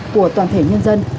của toàn thể nhân dân